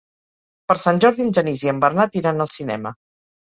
Per Sant Jordi en Genís i en Bernat iran al cinema.